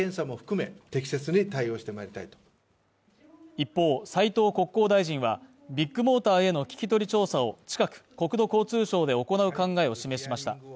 一方、斉藤国交大臣はビッグモーターへの聞き取り調査を近く国土交通省で行う考えを示しました。